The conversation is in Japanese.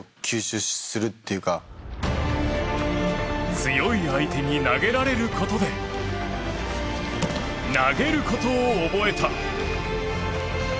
強い相手に投げられることで投げることを覚えた。